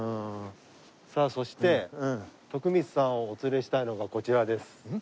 さあそして徳光さんをお連れしたいのがこちらです。